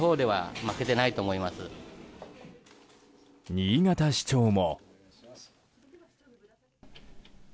新潟市長も。